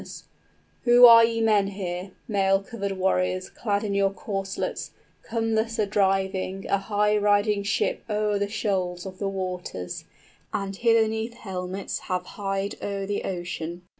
{His challenge} "Who are ye men here, mail covered warriors Clad in your corslets, come thus a driving 50 A high riding ship o'er the shoals of the waters, And hither 'neath helmets have hied o'er the ocean?